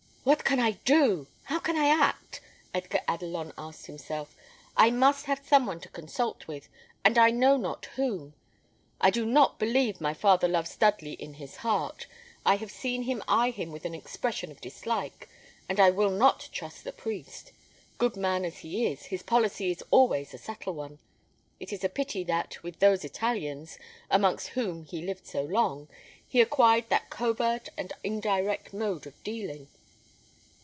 "What can I do? How can I act?" Edgar Adelon asked himself. "I must have some one to consult with, and I know not whom. I do not believe my father loves Dudley in his heart. I have seen him eye him with an expression of dislike; and I will not trust the priest. Good man as he is, his policy is always a subtle one. It is a pity that, with those Italians, amongst whom he lived so long, he acquired that covert and indirect mode of dealing.